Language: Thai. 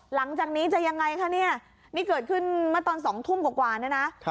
หลังจากนี้จะยังไงคะเนี่ยนี่เกิดขึ้นมาตอนสองทุ่มกว่านี้นะครับ